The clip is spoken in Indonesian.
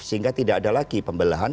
sehingga tidak ada lagi pembelahan